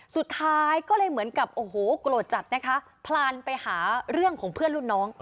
สุดท้ายก็เลยเหมือนกับโอ้โหโกรธจัดนะคะพลานไปหาเรื่องของเพื่อนรุ่นน้อง